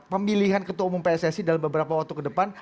pemilihan ketua umum pssi dalam beberapa waktu ke depan